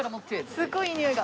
すごいいいにおいが。